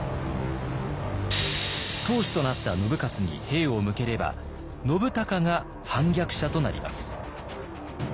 当主となった信雄に兵を向ければ信孝が反逆者となります。